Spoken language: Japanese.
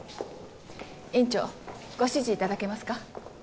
院長ご指示いただけますか？